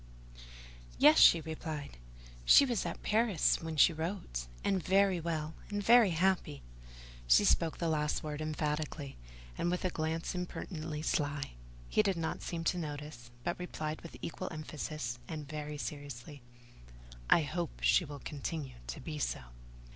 "Yes," replied she. "She was at Paris when she wrote, and very well, and very happy." She spoke the last word emphatically, and with a glance impertinently sly. He did not seem to notice it, but replied, with equal emphasis, and very seriously— "I hope she will continue to be so."